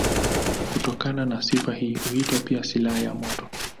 Kutokana na sifa hii huitwa pia silaha ya moto.